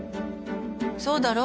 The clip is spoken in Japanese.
そうだろ？